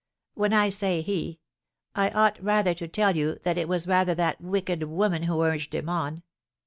"When I say he, I ought rather to tell you that it was rather that wicked woman who urged him on.